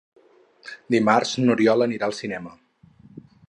Dimarts n'Oriol anirà al cinema.